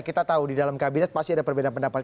kita tahu di dalam kabinet pasti ada perbedaan pendapat